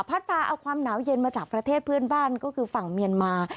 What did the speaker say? พาเอาความหนาวเย็นมาจากประเทศเพื่อนบ้านก็คือฝั่งเมียนมา